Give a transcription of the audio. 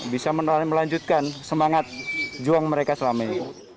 bisa melanjutkan semangat juang mereka selama ini